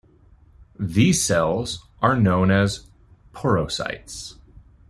These cells are known as porocytes.